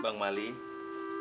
terima kasih ya bu